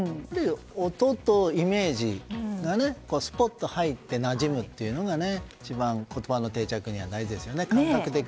音とイメージがスポッと入ってなじむというのが、一番言葉の定着には大事ですよね。